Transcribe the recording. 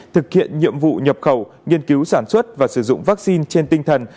thực hiện nhiệm vụ nhập khẩu nghiên cứu sản xuất và sử dụng vaccine trên tinh thần